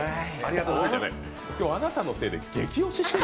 今日あなたのせいで激押ししてる。